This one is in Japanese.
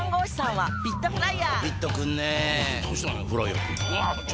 はい。